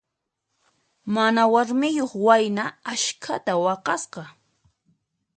Mana warmiyuq wayna askhata waqasqa.